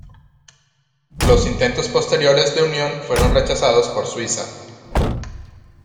Los intentos posteriores de unión fueron rechazados por Suiza.